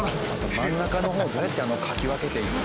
真ん中の方どうやってかき分けて。